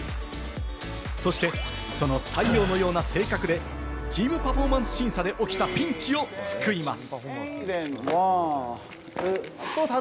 そして、その太陽のような性格でチームパフォーマンス審査で起きたピンチを救います。